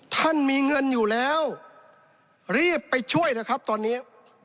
ท่านมีเงินอยู่แล้วรีบไปช่วยเถอะครับตอนนี้